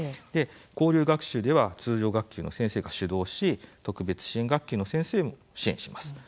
交流学習では通常学級の先生が主導し特別支援学級の先生も支援します。